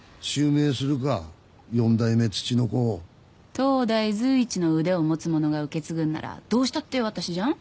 当代随一の腕を持つ者が受け継ぐんならどうしたって私じゃん？